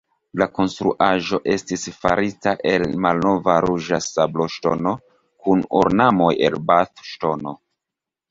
La konstruaĵo estis farita el malnova ruĝa sabloŝtono, kun ornamoj el Bath-Ŝtono.